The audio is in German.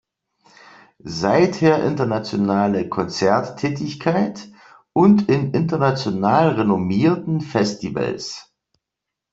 Seither internationale Konzerttätigkeit und in international renommierten Festivals.